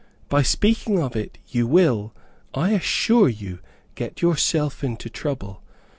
By speaking of it, you will, I assure you, get yourself into trouble.